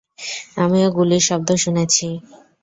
আমিও গুলির শব্দ শুনেছি!